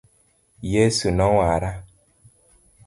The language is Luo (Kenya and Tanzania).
Yesu nowara .